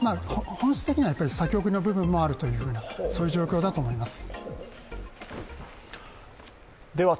本質的には先送りの部分もあるという状況だと思います。